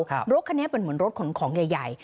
รถคันนี้เป็นเหมือนรถขนของใหญ่ใหญ่